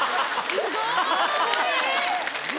すごい。